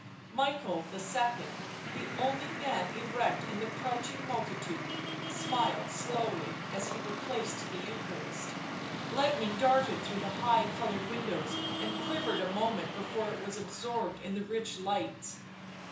Michael II., the only man erect in the crouching multitude, smiled slowly as he replaced the Eucharist ; lightning darted through the high coloured windows and quivered a moment before it was absorbed in the rich lights.